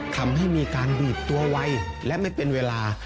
ทำให้มีการดูดตัวไวและไม่เป็นเวลา